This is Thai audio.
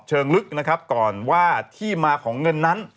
เชิงลึกนะครับก่อนว่าที่มาของเงินนั้น